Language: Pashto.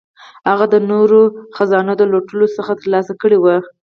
هغه د نورو خزانو د لوټلو څخه ترلاسه کړي وه.